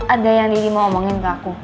ada yang ini mau omongin ke aku